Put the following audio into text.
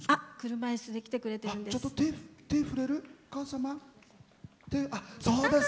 車いすで来てくれてるんです。